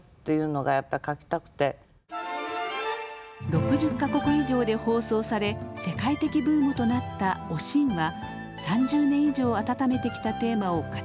６０か国以上で放送され世界的ブームとなった「おしん」は３０年以上温めてきたテーマを形にしたものでした。